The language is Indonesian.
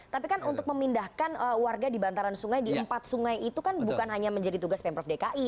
tapi kan untuk memindahkan warga di bantaran sungai di empat sungai itu kan bukan hanya menjadi tugas pemprov dki